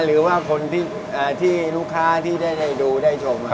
หรือว่าคนที่ลูกค้าที่ได้ดูได้ชม